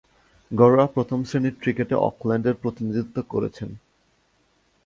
ঘরোয়া প্রথম-শ্রেণীর ক্রিকেটে অকল্যান্ডের প্রতিনিধিত্ব করেছেন।